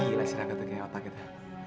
gila sih raka tuh kayak otak gitu